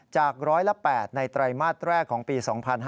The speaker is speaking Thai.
จาก๑๐๘ในไตรมาสแรกของปี๒๕๕๙